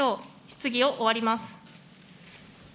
質疑を終わります。